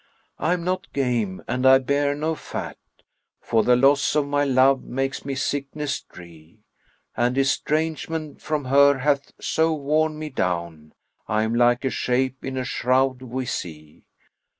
I am not game and I bear no fat; * For the loss of my love makes me sickness dree; And estrangement from her hath so worn me down * I am like a shape in a shroud we see.